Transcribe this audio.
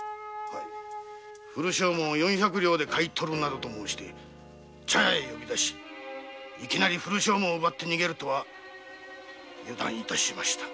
古証文を四百両で買い取るなどと申して茶屋に呼び出しいきなり古証文を奪って逃げるとは油断致しました。